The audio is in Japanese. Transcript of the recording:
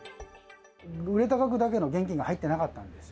売れた額だけの現金が入ってなかったんですよ。